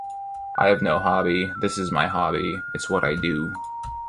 I've no hobby, this is my hobby - it's what I do.